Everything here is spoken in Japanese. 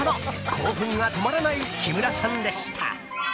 興奮が止まらない木村さんでした。